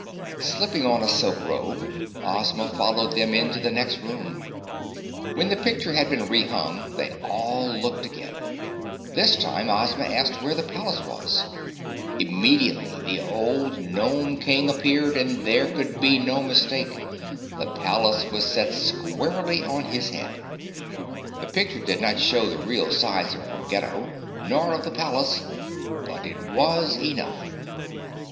Slipping on a silk robe, Ozma followed them into the next room. When the picture had been rehung, they all looked again. This time Ozma asked where the palace was. Immediately the old Gnome King appeared and there could be no mistake—the palace was set squarely on his head. The picture did not show the real size of Ruggedo nor of the palace, but it was enough.